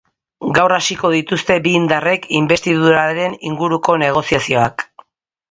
Gaur hasiko dituzte bi indarrek inbestiduraren inguruko negoziazioak.